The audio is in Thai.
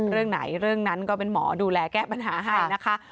เรื่องไหนเรื่องนั้นก็เป็นหมอดูแลแก้ปัญหาให้นะคะ